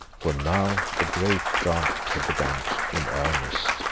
For now the great drought had begun in earnest.